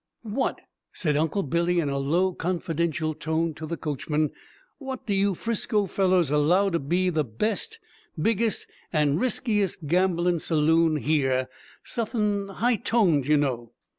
"Wot," said Uncle Billy in a low confidential tone to the coachman, "wot do you 'Frisco fellers allow to be the best, biggest, and riskiest gamblin' saloon here? Suthin' high toned, you know?"